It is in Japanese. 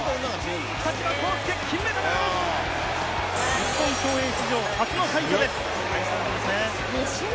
日本競泳史上初の快挙です。